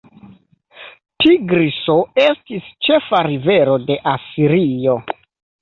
Tigriso estis ĉefa rivero de Asirio.